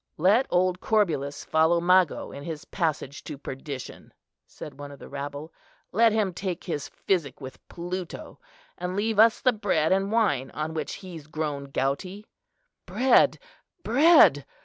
"Let old Corbulus follow Mago in his passage to perdition," said one of the rabble; "let him take his physic with Pluto, and leave us the bread and wine on which he's grown gouty." "Bread, bread!"